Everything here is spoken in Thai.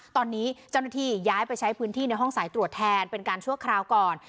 ตอนนี้เจ้าหน้าที่ย้ายไปใช้พื้นที่ในห้องสายตรวจแทนเป็นการชั่วคราวก่อน